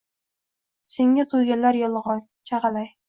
Senga toʻyganlar yolgʻon, Chagʻalay.